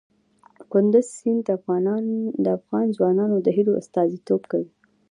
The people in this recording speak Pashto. کندز سیند د افغان ځوانانو د هیلو استازیتوب کوي.